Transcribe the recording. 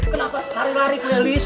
kenapa lari lari ya lies